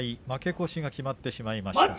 負け越しが決まっています。